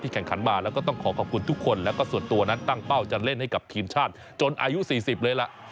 แข่งขันมาแล้วก็ต้องขอขอบคุณทุกคนแล้วก็ส่วนตัวนั้นตั้งเป้าจะเล่นให้กับทีมชาติจนอายุ๔๐เลยล่ะ